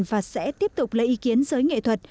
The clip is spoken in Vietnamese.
và sẽ tiếp tục lấy ý kiến giới nghệ thuật